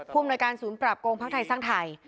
ภูมิวนัยการศูนย์ปราบโกงภักดิ์ไส้ไทย